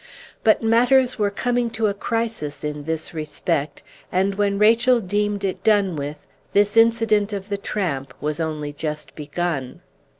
But matters were coming to a crisis in this respect; and, when Rachel deemed it done with, this incident of the tramp was only just begun.